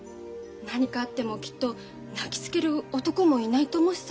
何かあってもきっと泣きつける男もいないと思うしさ。